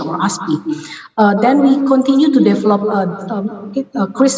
kemudian kami terus mengembangkan